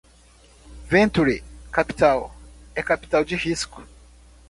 Venture Capital é capital de risco.